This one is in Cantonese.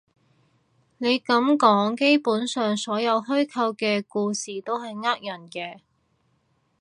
你噉講，基本上所有虛構嘅故事都係呃人嘅